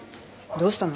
どうしたの？